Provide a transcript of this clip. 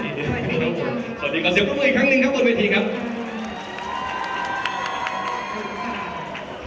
เสียงปลดมือจังกัน